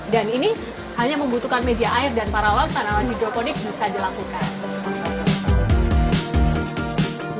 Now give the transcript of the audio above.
dan ini hanya membutuhkan media air dan para orang tanaman hidroponik bisa dilakukan